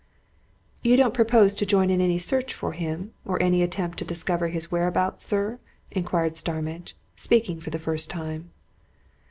"You don't propose to join in any search for him or any attempt to discover his whereabouts, sir?" inquired Starmidge, speaking for the first time.